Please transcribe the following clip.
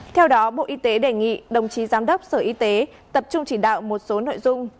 theo đó bộ y tế đề nghị đồng chí giám đốc sở y tế tập trung chỉ đạo một số nội dung